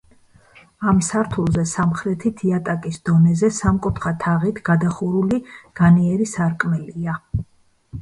ამ სართულზე, სამხრეთით იატაკის დონეზე, სამკუთხა თაღით გადახურული განიერი სარკმელია.